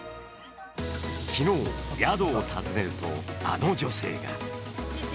昨日、宿を訪ねるとあの女性が。